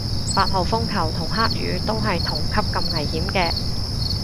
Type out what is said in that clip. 八號風球同黑雨都係同級咁危險嘅